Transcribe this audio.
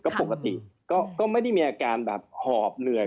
ก็ปกติก็ไม่ได้มีอาการแบบหอบเหนื่อย